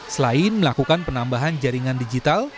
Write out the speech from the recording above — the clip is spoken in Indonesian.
selain melakukan penambahan jaringan digital